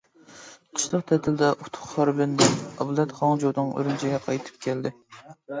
قىشلىق تەتىلدە ئۇتۇق خاربىندىن، ئابلەت خاڭجۇدىن ئۈرۈمچىگە قايتىپ كەلدى.